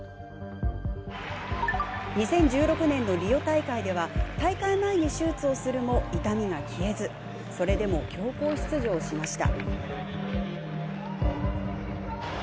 ２０１６年のリオ大会では大会前に手術をするも痛みが消えずそれでも強行出場しました。